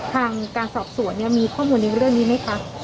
การสอบสวนมีข้อมูลในเรื่องนี้ไหมคะ